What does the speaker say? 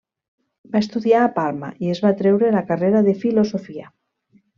Va estudiar a Palma i es va treure la carrera de filosofia.